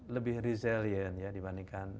lebih resilient ya dibandingkan